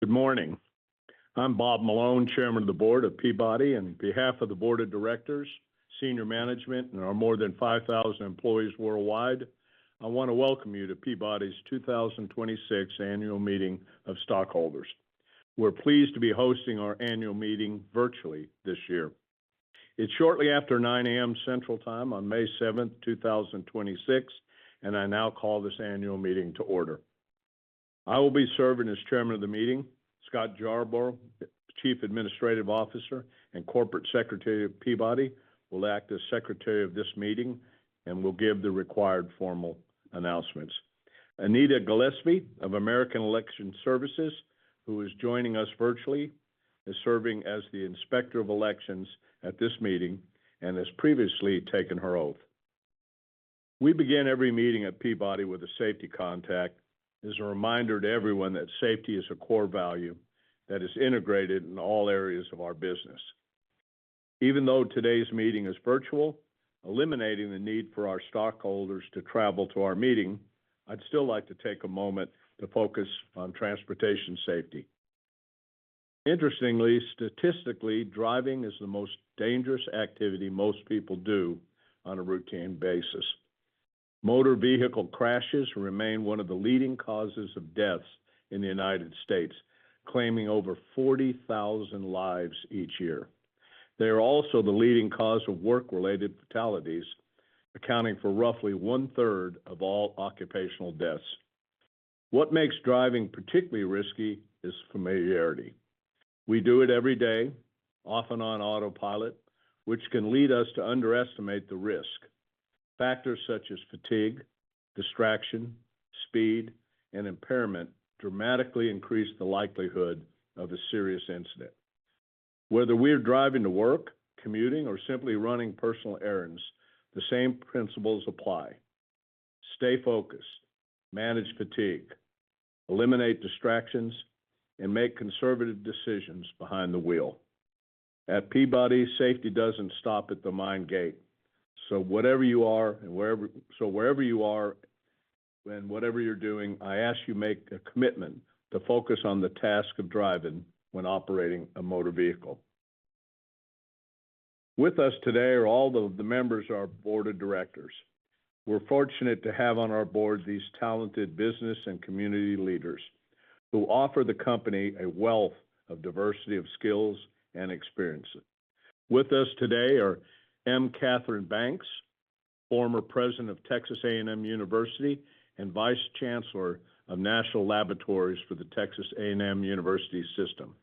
Good morning. I'm Bob Malone, Chairman of the Board of Peabody. On behalf of the board of directors, senior management, and our more than 5,000 employees worldwide, I wanna welcome you to Peabody's 2026 Annual Meeting of Stockholders. We're pleased to be hosting our annual meeting virtually this year. It's shortly after 9:00 A.M. Central Time on May 7, 2026, and I now call this annual meeting to order. I will be serving as chairman of the meeting. Scott Jarboe, Chief Administrative Officer and Corporate Secretary of Peabody, will act as secretary of this meeting and will give the required formal announcements. [Anita Gillespie] of American Election Services, who is joining us virtually, is serving as the Inspector of Elections at this meeting and has previously taken her oath. We begin every meeting at Peabody with a safety contact as a reminder to everyone that safety is a core value that is integrated in all areas of our business. Even though today's meeting is virtual, eliminating the need for our stockholders to travel to our meeting, I'd still like to take a moment to focus on transportation safety. Interestingly, statistically, driving is the most dangerous activity most people do on a routine basis. Motor vehicle crashes remain one of the leading causes of deaths in the United States, claiming over 40,000 lives each year. They are also the leading cause of work-related fatalities, accounting for roughly one-third of all occupational deaths. What makes driving particularly risky is familiarity. We do it every day, often on autopilot, which can lead us to underestimate the risk. Factors such as fatigue, distraction, speed, and impairment dramatically increase the likelihood of a serious incident. Whether we're driving to work, commuting, or simply running personal errands, the same principles apply. Stay focused, manage fatigue, eliminate distractions, and make conservative decisions behind the wheel. At Peabody, safety doesn't stop at the mine gate. Whatever you are and wherever you are and whatever you're doing, I ask you make a commitment to focus on the task of driving when operating a motor vehicle. With us today are all the members of our board of directors. We're fortunate to have on our board these talented business and community leaders who offer the company a wealth of diversity of skills and experiences. With us today are M. Katherine Banks, former president of Texas A&M University and vice chancellor of National Laboratories for the Texas A&M University System.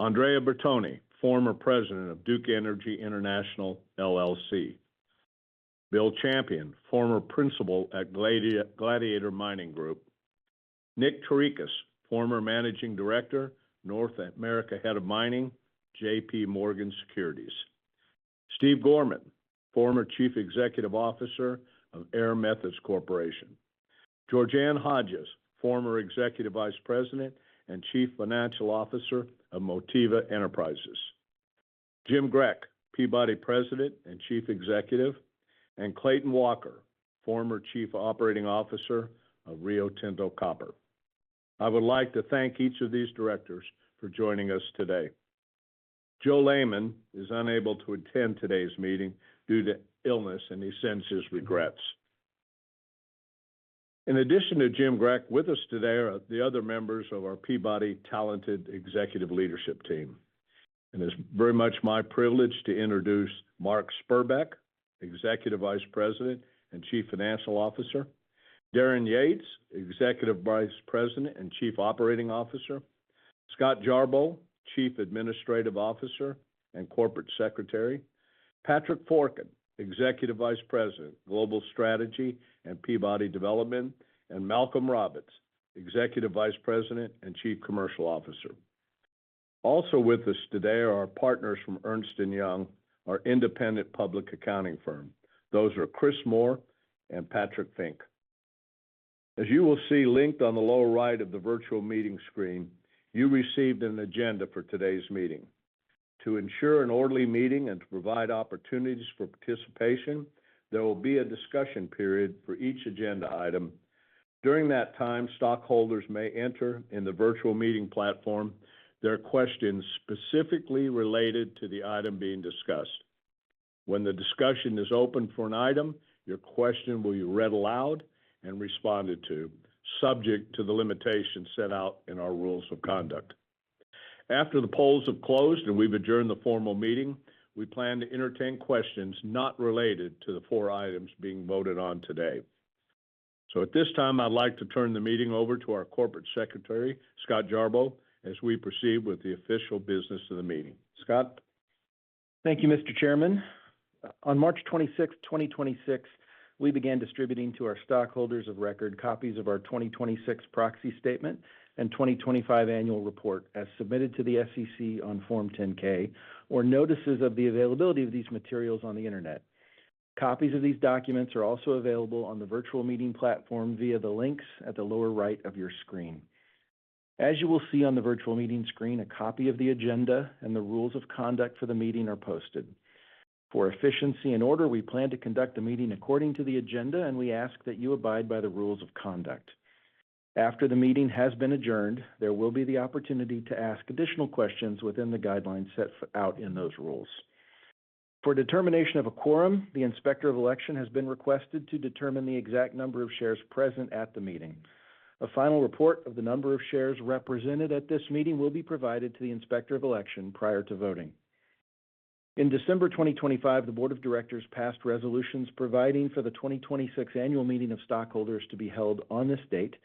Andrea Bertone, former president of Duke Energy International LLC. William H. Champion, former principal at Gladiator Mining Group. Nick Chirekos, former managing director, North America Head of Mining, J.P. Morgan Securities. Steve Gorman, former chief executive officer of Air Methods Corporation. Georganne Hodges, former executive vice president and chief financial officer of Motiva Enterprises. Jim Grech, Peabody President and Chief Executive, and Clayton Walker, former chief operating officer of Rio Tinto Copper. I would like to thank each of these directors for joining us today. Joe Laymon is unable to attend today's meeting due to illness, and he sends his regrets. In addition to Jim Grech, with us today are the other members of our Peabody talented executive leadership team. It's very much my privilege to introduce Mark Spurbeck, Executive Vice President and Chief Financial Officer. Darren Yeates, Executive Vice President and Chief Operating Officer. Scott Jarboe, Chief Administrative Officer and Corporate Secretary. Patrick Forkin, Executive Vice President, Global Strategy and Peabody Development, and Malcolm Roberts, Executive Vice President and Chief Commercial Officer. Also with us today are our partners from Ernst & Young, our independent public accounting firm. Those are Chris Moore and Patrick Fink. As you will see linked on the lower right of the virtual meeting screen, you received an agenda for today's meeting. To ensure an orderly meeting and to provide opportunities for participation, there will be a discussion period for each agenda item. During that time, stockholders may enter in the virtual meeting platform their questions specifically related to the item being discussed. When the discussion is open for an item, your question will be read aloud and responded to, subject to the limitations set out in our rules of conduct. After the polls have closed and we've adjourned the formal meeting, we plan to entertain questions not related to the four items being voted on today. At this time, I'd like to turn the meeting over to our Corporate Secretary, Scott Jarboe, as we proceed with the official business of the meeting. Scott? Thank you, Mr. Chairman. On March 26th, 2026, we began distributing to our stockholders of record copies of our 2026 proxy statement and 2025 annual report as submitted to the SEC on Form 10-K or notices of the availability of these materials on the internet. Copies of these documents are also available on the virtual meeting platform via the links at the lower right of your screen. As you will see on the virtual meeting screen, a copy of the agenda and the rules of conduct for the meeting are posted. For efficiency and order, we plan to conduct the meeting according to the agenda, and we ask that you abide by the rules of conduct. After the meeting has been adjourned, there will be the opportunity to ask additional questions within the guidelines set out in those rules. For determination of a quorum, the Inspector of Elections has been requested to determine the exact number of shares present at the meeting. A final report of the number of shares represented at this meeting will be provided to the Inspector of Elections prior to voting. In December 2025, the board of directors passed resolutions providing for the 2026 annual meeting of stockholders to be held on this date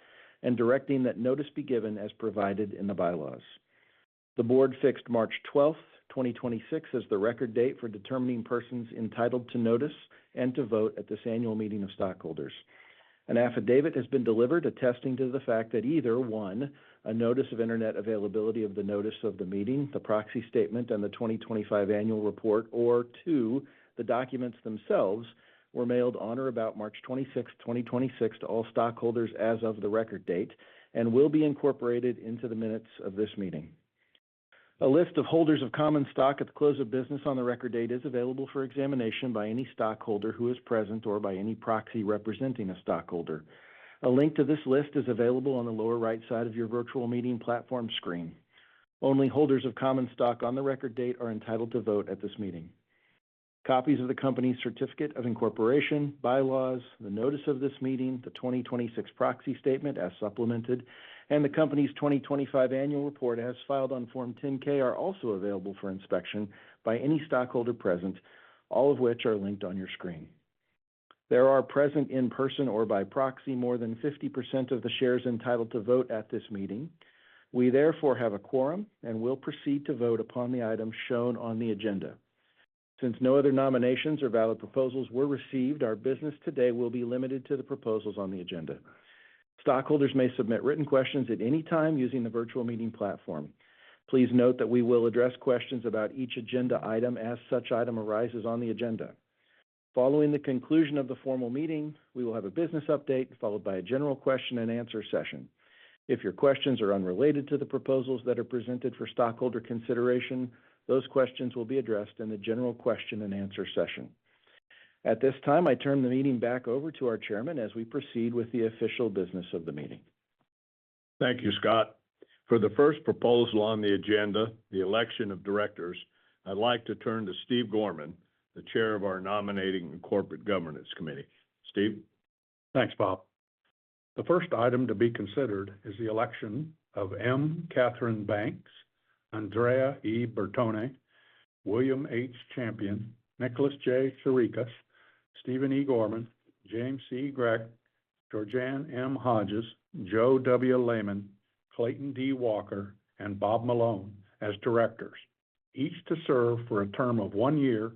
and directing that notice be given as provided in the bylaws. The board fixed March 12th, 2026 as the record date for determining persons entitled to notice and to vote at this annual meeting of stockholders. An affidavit has been delivered attesting to the fact that either, one, a notice of internet availability of the notice of the meeting, the proxy statement, and the 2025 annual report, or, two, the documents themselves were mailed on or about March 26, 2026 to all stockholders as of the record date and will be incorporated into the minutes of this meeting. A list of holders of common stock at the close of business on the record date is available for examination by any stockholder who is present or by any proxy representing a stockholder. A link to this list is available on the lower right side of your virtual meeting platform screen. Only holders of common stock on the record date are entitled to vote at this meeting. Copies of the company certificate of incorporation, bylaws, the notice of this meeting, the 2026 proxy statement as supplemented, and the company's 2025 annual report as filed on Form 10-K are also available for inspection by any stockholder present, all of which are linked on your screen. There are present in person or by proxy more than 50% of the shares entitled to vote at this meeting. We therefore have a quorum and will proceed to vote upon the items shown on the agenda. Since no other nominations or valid proposals were received, our business today will be limited to the proposals on the agenda. Stockholders may submit written questions at any time using the virtual meeting platform. Please note that we will address questions about each agenda item as such item arises on the agenda. Following the conclusion of the formal meeting, we will have a business update followed by a general question-and-answer session. If your questions are unrelated to the proposals that are presented for stockholder consideration, those questions will be addressed in the general question-and-answer session. At this time, I turn the meeting back over to our Chairman as we proceed with the official business of the meeting. Thank you, Scott. For the first proposal on the agenda, the election of directors, I'd like to turn to Steve Gorman, the Chair of our Nominating and Corporate Governance Committee. Steve? Thanks, Bob. The first item to be considered is the election of M. Katherine Banks, Andrea E. Bertone, William H. Champion, Nicholas J. Chirekos, Steven E. Gorman, James C. Grech, Georganne M. Hodges, Joe W. Laymon, Clayton D. Walker, and Bob Malone as directors, each to serve for a term of one year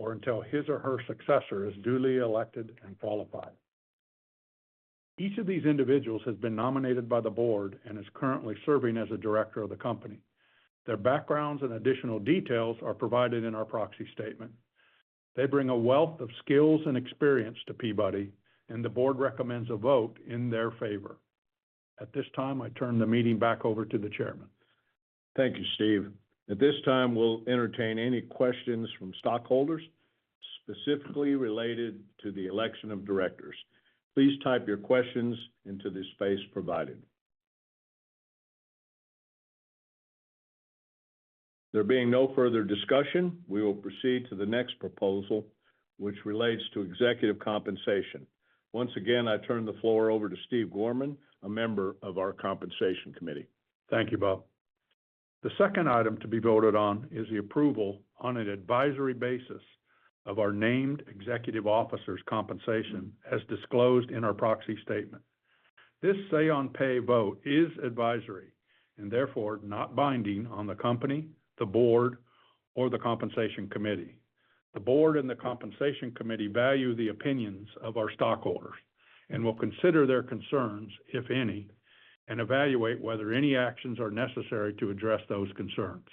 or until his or her successor is duly elected and qualified. Each of these individuals has been nominated by the board and is currently serving as a director of the company. Their backgrounds and additional details are provided in our proxy statement. They bring a wealth of skills and experience to Peabody, and the board recommends a vote in their favor. At this time, I turn the meeting back over to the chairman. Thank you, Steve. At this time, we'll entertain any questions from stockholders specifically related to the election of directors. Please type your questions into the space provided. There being no further discussion, we will proceed to the next proposal, which relates to executive compensation. Once again, I turn the floor over to Steve Gorman, a member of our Compensation Committee. Thank you, Bob. The second item to be voted on is the approval on an advisory basis of our named executive officers' compensation as disclosed in our proxy statement. This say on pay vote is advisory and therefore not binding on the company, the board, or the Compensation Committee. The board and the Compensation Committee value the opinions of our stockholders and will consider their concerns, if any, and evaluate whether any actions are necessary to address those concerns.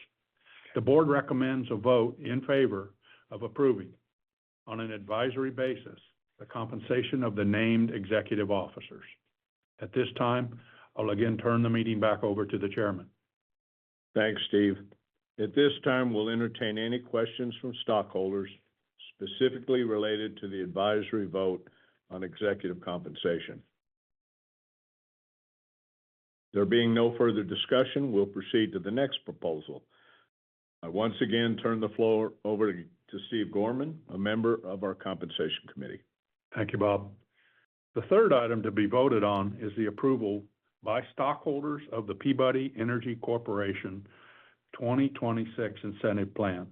The board recommends a vote in favor of approving, on an advisory basis, the compensation of the named executive officers. At this time, I'll again turn the meeting back over to the Chairman. Thanks, Steve. At this time, we'll entertain any questions from stockholders specifically related to the advisory vote on executive compensation. There being no further discussion, we'll proceed to the next proposal. I once again turn the floor over to Steve Gorman, a member of our Compensation Committee. Thank you, Bob. The third item to be voted on is the approval by stockholders of the Peabody Energy Corporation 2026 incentive plan.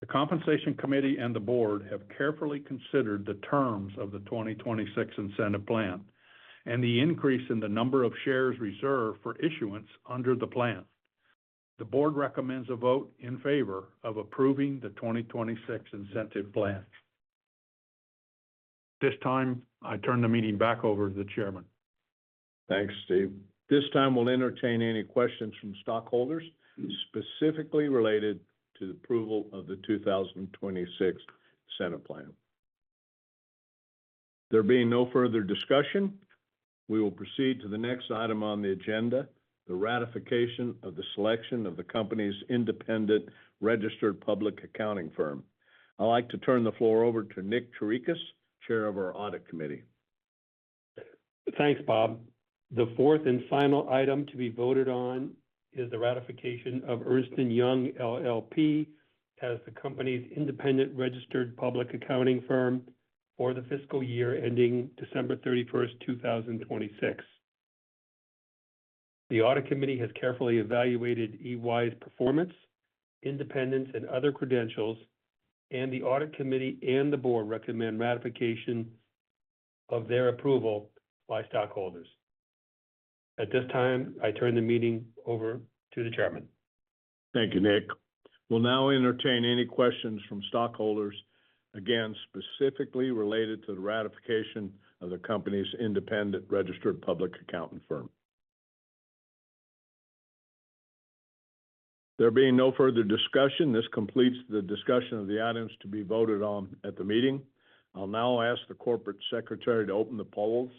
The Compensation Committee and the board have carefully considered the terms of the 2026 incentive plan and the increase in the number of shares reserved for issuance under the plan. The board recommends a vote in favor of approving the 2026 incentive plan. At this time, I turn the meeting back over to the chairman. Thanks, Steve. At this time, we'll entertain any questions from stockholders specifically related to the approval of the 2026 incentive plan. There being no further discussion, we will proceed to the next item on the agenda, the ratification of the selection of the company's independent registered public accounting firm. I'd like to turn the floor over to Nick Chirekos, Chair of our Audit Committee. Thanks, Bob. The fourth and final item to be voted on is the ratification of Ernst & Young LLP as the company's independent registered public accounting firm for the fiscal year ending December 31, 2026. The audit committee has carefully evaluated EY's performance, independence, and other credentials. The audit committee and the board recommend ratification of their approval by stockholders. At this time, I turn the meeting over to the chairman. Thank you, Nick. We'll now entertain any questions from stockholders, again, specifically related to the ratification of the company's independent registered public accounting firm. There being no further discussion, this completes the discussion of the items to be voted on at the meeting. I'll now ask the Corporate Secretary to open the polls.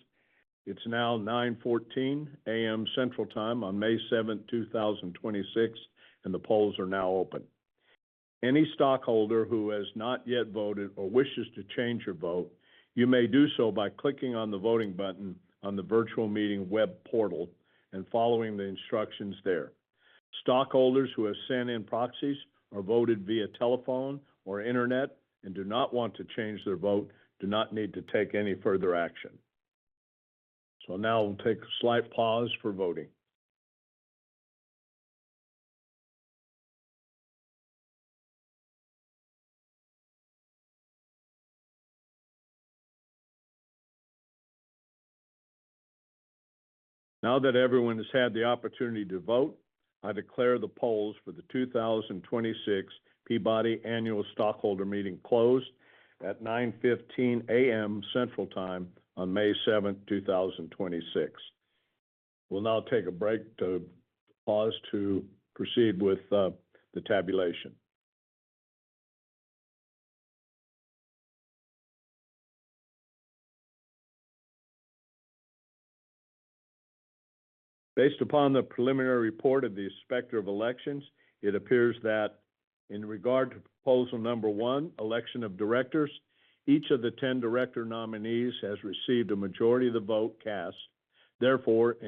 It's now 9:14 A.M. Central Time on May 7, 2026, and the polls are now open. Any stockholder who has not yet voted or wishes to change your vote, you may do so by clicking on the voting button on the virtual meeting web portal and following the instructions there. Stockholders who have sent in proxies or voted via telephone or internet and do not want to change their vote do not need to take any further action. Now we'll take a slight pause for voting. Now that everyone has had the opportunity to vote, I declare the polls for the 2026 Peabody Annual Stockholder Meeting closed at 9:15 A.M. Central Time on May 7th, 2026. We'll now take a break to pause to proceed with the tabulation. Based upon the preliminary report of the Inspector of Elections, it appears that in regard to proposal number one, election of directors, each of the 10 director nominees has received a majority of the vote cast. In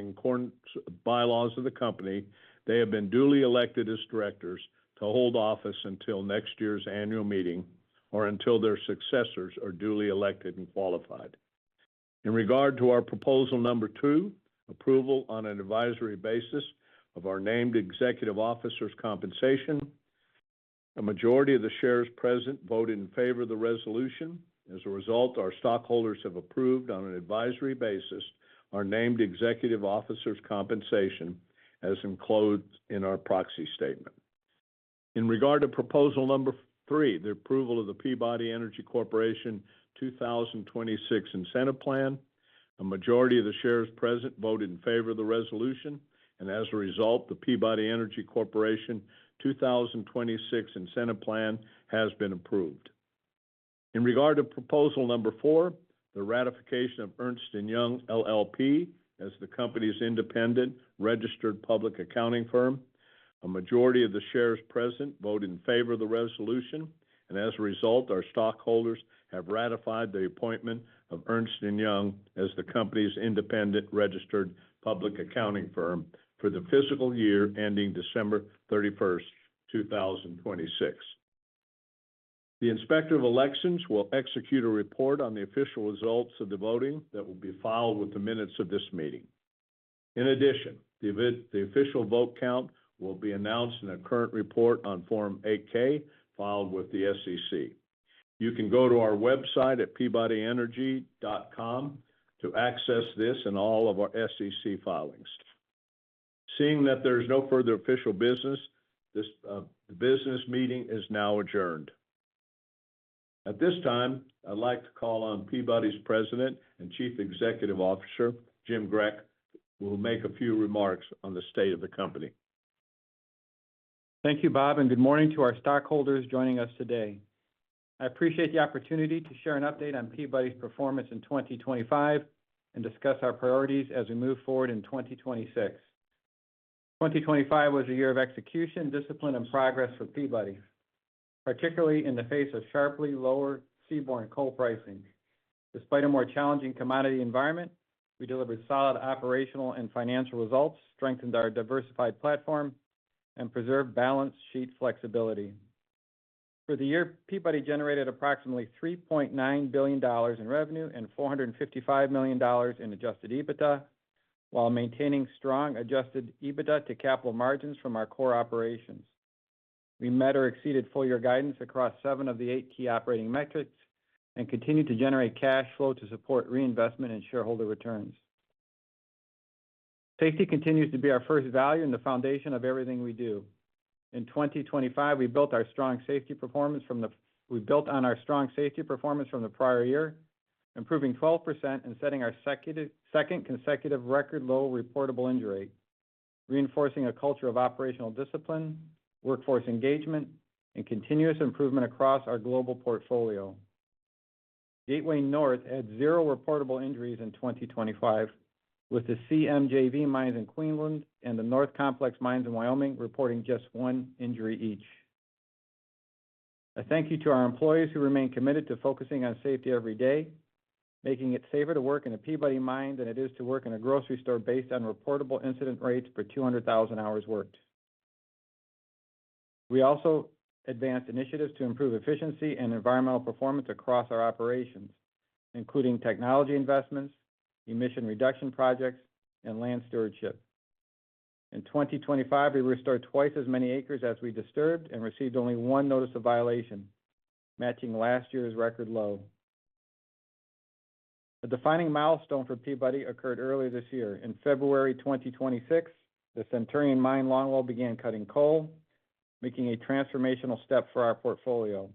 accordance with the bylaws of the company, they have been duly elected as directors to hold office until next year's annual meeting or until their successors are duly elected and qualified. In regard to our proposal number two, approval on an advisory basis of our named executive officers' compensation, a majority of the shares present voted in favor of the resolution. As a result, our stockholders have approved on an advisory basis our named executive officers' compensation as enclosed in our proxy statement. In regard to proposal number three, the approval of the Peabody Energy Corporation 2026 incentive plan, a majority of the shares present voted in favor of the resolution, and as a result, the Peabody Energy Corporation 2026 incentive plan has been approved. In regard to proposal number four, the ratification of Ernst & Young LLP as the company's independent registered public accounting firm, a majority of the shares present voted in favor of the resolution, and as a result, our stockholders have ratified the appointment of Ernst & Young as the company's independent registered public accounting firm for the fiscal year ending December 31st, 2026. The Inspector of Elections will execute a report on the official results of the voting that will be filed with the minutes of this meeting. In addition, the official vote count will be announced in a current report on Form 8-K filed with the SEC. You can go to our website at peabodyenergy.com to access this and all of our SEC filings. Seeing that there's no further official business, the business meeting is now adjourned. At this time, I'd like to call on Peabody's President and Chief Executive Officer, Jim Grech, who will make a few remarks on the state of the company. Thank you, Bob, and good morning to our stockholders joining us today. I appreciate the opportunity to share an update on Peabody's performance in 2025 and discuss our priorities as we move forward in 2026. 2025 was a year of execution, discipline, and progress for Peabody, particularly in the face of sharply lower seaborne coal pricing. Despite a more challenging commodity environment, we delivered solid operational and financial results, strengthened our diversified platform, and preserved balance sheet flexibility. For the year, Peabody generated approximately $3.9 billion in revenue and $455 million in Adjusted EBITDA, while maintaining strong Adjusted EBITDA to capital margins from our core operations. We met or exceeded full year guidance across seven of the eight key operating metrics and continued to generate cash flow to support reinvestment and shareholder returns. Safety continues to be our first value and the foundation of everything we do. In 2025, we built on our strong safety performance from the prior year, improving 12% and setting our second consecutive record low reportable injury rate. Reinforcing a culture of operational discipline, workforce engagement, and continuous improvement across our global portfolio. Gateway North had zero reportable injuries in 2025, with the CMJV mines in Queensland and the North Complex mines in Wyoming reporting just one injury each. A thank you to our employees who remain committed to focusing on safety every day, making it safer to work in a Peabody mine than it is to work in a grocery store based on reportable incident rates per 200,000 hours worked. We also advanced initiatives to improve efficiency and environmental performance across our operations, including technology investments, emission reduction projects, and land stewardship. In 2025, we restored twice as many acres as we disturbed and received only one notice of violation, matching last year's record low. A defining milestone for Peabody occurred earlier this year. In February 2026, the Centurion Mine longwall began cutting coal, making a transformational step for our portfolio.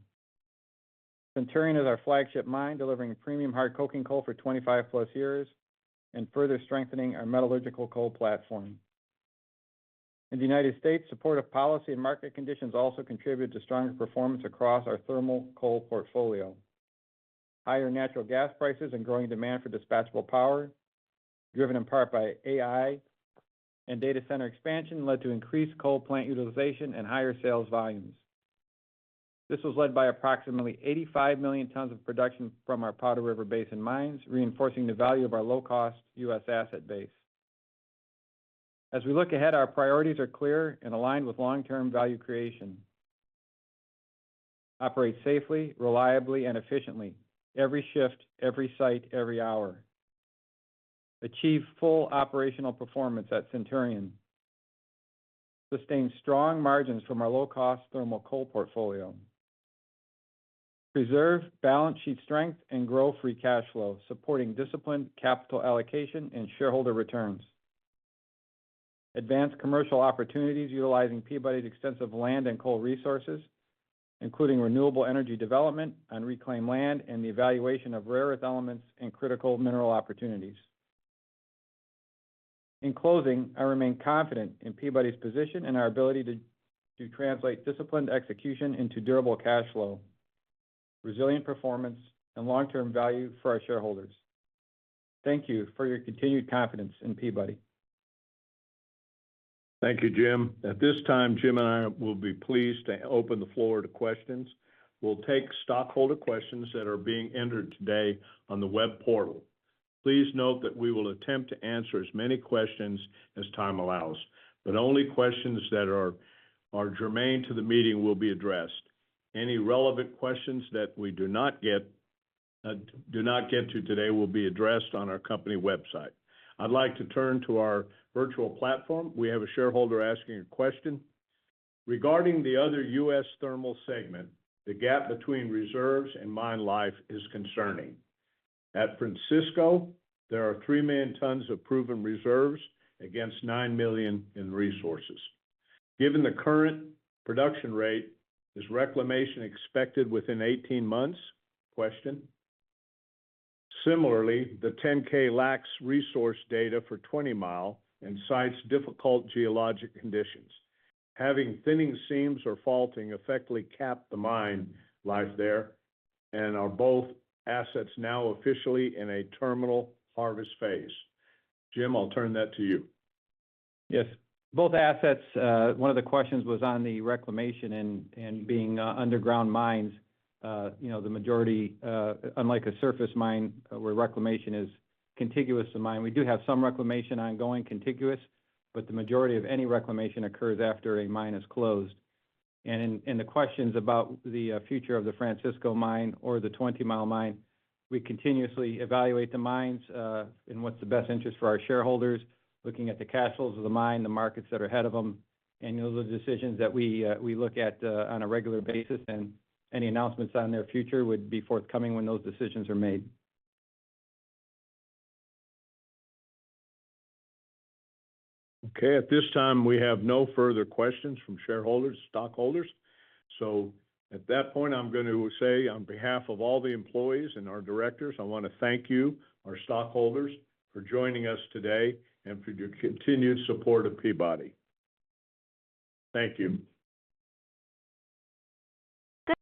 Centurion is our flagship mine, delivering premium hard coking coal for 25+ years and further strengthening our metallurgical coal platform. In the United States, supportive policy and market conditions also contributed to stronger performance across our thermal coal portfolio. Higher natural gas prices and growing demand for dispatchable power, driven in part by AI and data center expansion, led to increased coal plant utilization and higher sales volumes. This was led by approximately 85 million tons of production from our Powder River Basin mines, reinforcing the value of our low-cost U.S. asset base. As we look ahead, our priorities are clear and aligned with long-term value creation. Operate safely, reliably, and efficiently every shift, every site, every hour. Achieve full operational performance at Centurion. Sustain strong margins from our low-cost thermal coal portfolio. Preserve balance sheet strength and grow free cash flow, supporting disciplined capital allocation and shareholder returns. Advance commercial opportunities utilizing Peabody's extensive land and coal resources, including renewable energy development on reclaimed land and the evaluation of rare earth elements and critical mineral opportunities. In closing, I remain confident in Peabody's position and our ability to translate disciplined execution into durable cash flow, resilient performance, and long-term value for our shareholders. Thank you for your continued confidence in Peabody. Thank you, Jim. At this time, Jim and I will be pleased to open the floor to questions. We'll take stockholder questions that are being entered today on the web portal. Please note that we will attempt to answer as many questions as time allows, but only questions that are germane to the meeting will be addressed. Any relevant questions that we do not get to today will be addressed on our company website. I'd like to turn to our virtual platform. We have a shareholder asking a question. Regarding the other U.S. thermal segment, the gap between reserves and mine life is concerning. At Francisco, there are 3 million tons of proven reserves against 9 million in resources. Given the current production rate, is reclamation expected within 18 months? Question. Similarly, the Form 10-K lacks resource data for Twentymile and cites difficult geologic conditions. Having thinning seams or faulting effectively cap the mine life there and are both assets now officially in a terminal harvest phase. Jim, I'll turn that to you. Yes. Both assets, one of the questions was on the reclamation and being, underground mines. You know, the majority, unlike a surface mine where reclamation is contiguous to mine, we do have some reclamation ongoing contiguous, but the majority of any reclamation occurs after a mine is closed. The questions about the future of the Francisco mine or the Twentymile Mine, we continuously evaluate the mines and what's the best interest for our shareholders, looking at the cash flows of the mine, the markets that are ahead of them. Those are decisions that we look at on a regular basis and any announcements on their future would be forthcoming when those decisions are made. Okay. At this time, we have no further questions from shareholders, stockholders. At that point, I'm gonna say, on behalf of all the employees and our directors, I wanna thank you, our stockholders, for joining us today and for your continued support of Peabody. Thank you. This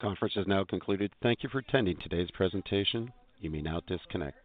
conference has now concluded. Thank you for attending today's presentation. You may now disconnect.